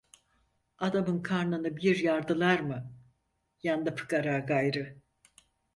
Adamın karnını bir yardılar mı, yandı fıkara gayrı…